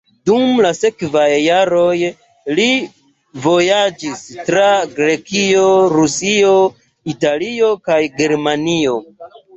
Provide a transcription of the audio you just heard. Dum la sekvaj jaroj li vojaĝis tra Grekio, Rusio, Italio kaj Germanio.